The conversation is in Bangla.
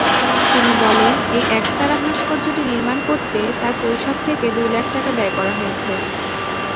তিনি বলেন, এই একতারা ভাস্কর্যটি নির্মাণ করতে তার পরিষদ থেকে দুই লাখ টাকা ব্যয় করা হয়েছে।